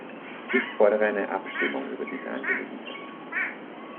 Ich fordere eine Abstimmung über diese Angelegenheit.